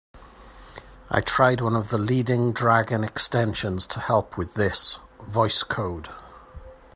I tried one of the leading Dragon extensions to help with this, Voice Code.